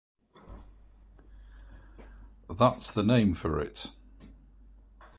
That's the name for it.